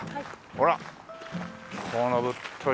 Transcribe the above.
ほらこのぶっとい。